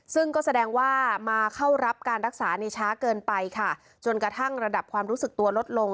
ซึ่งก็แสดงว่ามาเข้ารับการรักษาในช้าเกินไปค่ะจนกระทั่งระดับความรู้สึกตัวลดลง